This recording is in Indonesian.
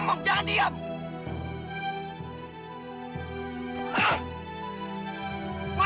ngomong jangan diam